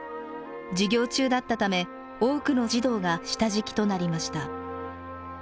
授業中だったため多くの児童が下敷きとなりました。